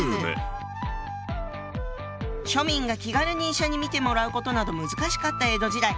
庶民が気軽に医者に診てもらうことなど難しかった江戸時代。